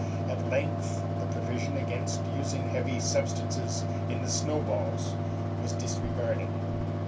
At length the provision against using heavy substances in the snow balls was disregarded.